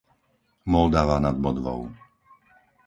Moldava nad Bodvou